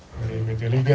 dari pt liga